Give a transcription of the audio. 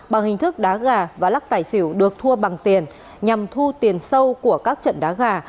bằng hình thức đá gà và lắc tài xỉu được thua bằng tiền nhằm thu tiền sâu của các trận đá gà